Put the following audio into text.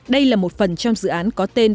đây là một phần trong dự án có tên